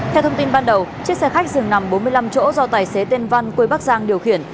theo thông tin ban đầu chiếc xe khách dừng nằm bốn mươi năm chỗ do tài xế tên văn quê bắc giang điều khiển